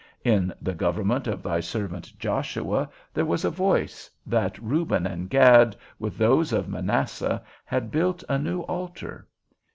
In the government of thy servant Joshua, there was a voice, that Reuben and Gad, with those of Manasseh, had built a new altar.